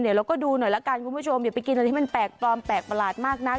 เดี๋ยวเราก็ดูหน่อยละกันคุณผู้ชมอย่าไปกินอะไรที่มันแปลกปลอมแปลกประหลาดมากนัก